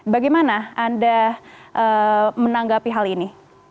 bagaimana anda menanggapi hal ini